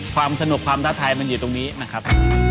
ความสนุกความท้าทายมันอยู่ตรงนี้นะครับ